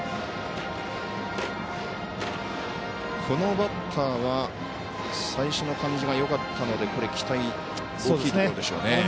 このバッターは最初の感じがよかったので期待大きいところでしょうね。